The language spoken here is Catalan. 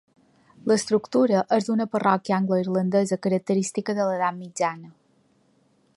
L'estructura és d'una parròquia angloirlandesa característica de l'edat mitjana.